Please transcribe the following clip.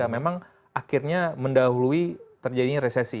memang akhirnya mendahului terjadinya resesi